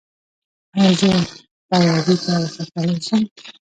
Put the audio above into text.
ایا زه طیارې ته وختلی شم؟